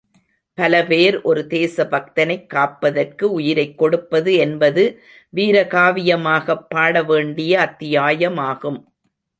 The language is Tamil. பல பேர் ஒரு தேசபக்தனைக் காப்பதற்கு உயிரைக் கொடுப்பது என்பது வீரகாவியமாகப் பாடவேண்டிய அத்தியாயமாகும்.